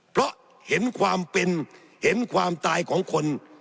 เพราะเห็นความเป็นเห็นความตายของคน